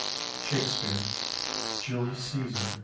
Shakespeare: "Julius Cæsar," IV.